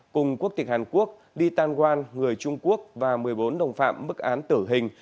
cùng quốc tịch hàn quốc đi tan huan người trung quốc và một mươi bốn đồng phạm mức án tử hình